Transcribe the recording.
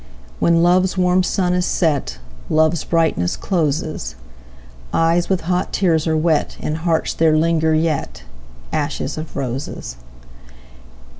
When love's warm sun is set, Love's brightness closes; Eyes with hot tears are wet, In hearts there linger yetAshes of roses.